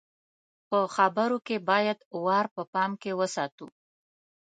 په خبرو کې بايد وار په پام کې وساتو.